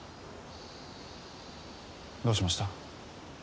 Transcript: どうしました？